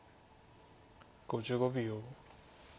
５５秒。